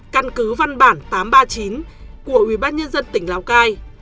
căn cứ văn bản tám trăm ba mươi chín của ubnd tỉnh lào cai